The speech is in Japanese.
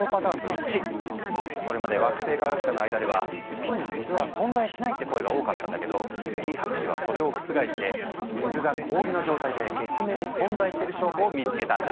それまで惑星科学者の間では「月に水は存在しない」って声が多かったんだけどリ博士はそれを覆して水が氷の状態で月面に存在している証拠を見つけたんだ。